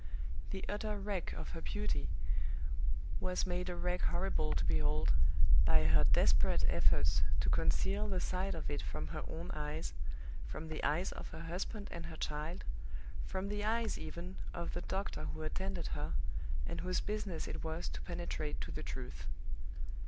The utter wreck of her beauty was made a wreck horrible to behold, by her desperate efforts to conceal the sight of it from her own eyes, from the eyes of her husband and her child, from the eyes even of the doctor who attended her, and whose business it was to penetrate to the truth.